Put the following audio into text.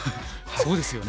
そうですね。